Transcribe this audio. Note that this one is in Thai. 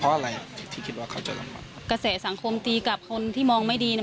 เพราะอะไรอ่ะที่คิดว่าเขาจะลำบากกระแสสังคมตีกลับคนที่มองไม่ดีเนี่ย